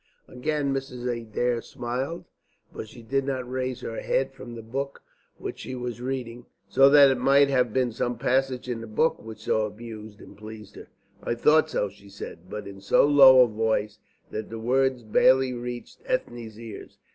Again Mrs. Adair smiled, but she did not raise her head from the book which she was reading, so that it might have been some passage in the book which so amused and pleased her. "I thought so," she said, but in so low a voice that the words barely reached Ethne's ears.